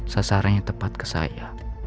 sasarannya tepat ke saya